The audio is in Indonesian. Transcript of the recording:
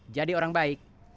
jadi orang baik